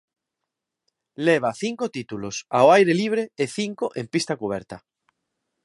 Leva cinco títulos ao aire libre e cinco en pista cuberta.